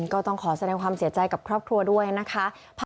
ก็ต้องขอแสดงความเสียใจกับครอบครัวด้วยนะคะ